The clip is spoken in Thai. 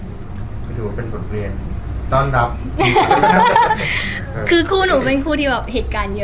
ก็ถือว่าเป็นบทเรียนต้อนรับคือคู่หนูเป็นคู่ที่แบบเหตุการณ์เยอะ